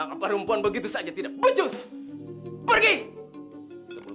tapi temanin nabi dulu